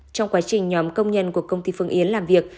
trong quá trình nhóm công nhân của công ty phương yến làm việc